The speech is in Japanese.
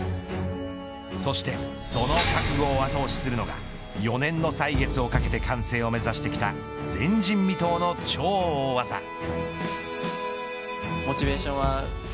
そしてその覚悟を後押しするのが４年の歳月をかけて完成を目指した前人未踏の超大技。